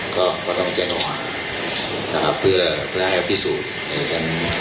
ก็ต้องเก็บออกมานะครับเพื่อให้พิสูจน์